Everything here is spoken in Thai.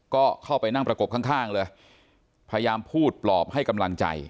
ก็เข้าไปนั่งประกบข้างเลยพยายามพูดปลอบให้กำลังใจ